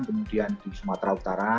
kemudian di sumatera utara